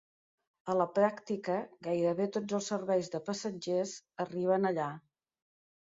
A la pràctica, gairebé tots els serveis de passatgers arriben allà.